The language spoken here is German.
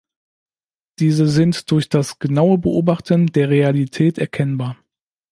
Diese sind durch das genaue Beobachten der Realität erkennbar.